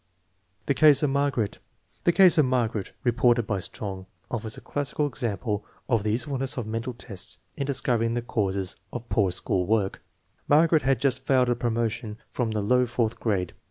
The case of Margaret. The case of Margaret, re MENTAL AGE STANDARD FOE GRADING 109 ported by Strong, offers a classical example of the use fulness of mental tests in discovering the causes of poor school work. 1 Margaret had just failed of promotion from the low fourth grade.